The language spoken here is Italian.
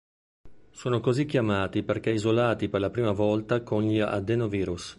Sono così chiamati perché isolati per la prima volta con gli adenovirus.